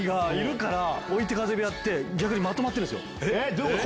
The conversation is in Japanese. どういうこと？